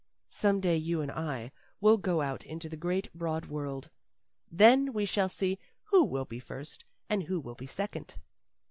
"Some day you and I will go out into the great, broad world. Then we shall see who will be first and who will be second.